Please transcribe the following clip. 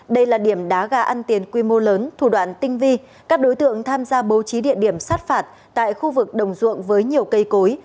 đây là điểm đá gà ăn tiền quy mô lớn thủ đoạn tinh vi các đối tượng tham gia bố trí địa điểm sát phạt tại khu vực đồng ruộng với nhiều cây cối